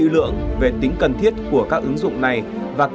lương thị nhung sinh năm một nghìn chín trăm chín mươi ba